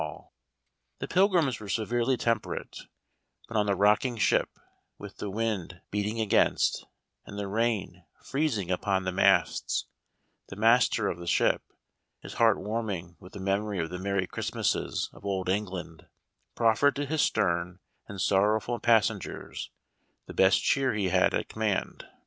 lOI The Pilgrims were severely temperate, but on the rocking ship, with the wind beating against, and the rain freezing upon the masts, the Master of the ship, his heart warming with the memory of the Merry Christ mases of Old England, proffered to his stern and sorrow ful passengers the best cheer he had at command.